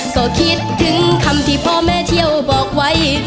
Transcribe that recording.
ก็คิดถึงคำที่พ่อแม่เที่ยวบอกไว้